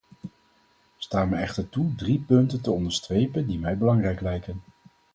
Sta me echter toe drie punten te onderstrepen die mij belangrijk lijken.